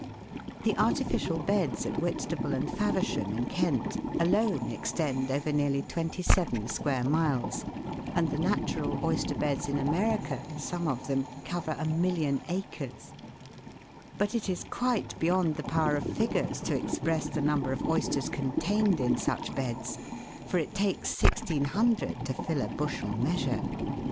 The artificial beds at Whitstable and Faversham, in Kent, alone extend over nearly twenty seven square miles, and the natural oyster beds in America, some of them, cover a million acres ; but it is quite beyond the power of figures to express the number of oysters contained in such beds, for it takes 1,600 to fill a bushel measure.